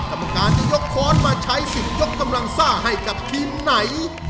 กรรมการจะยกค้อนมาใช้สิทธิ์ยกกำลังซ่าให้กับทีมไหน